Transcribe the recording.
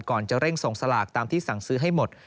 ก่อนจะเร่งส่งสลากตามที่สั่งซื้อให้หมด